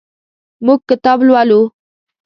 موږ کتاب لولو.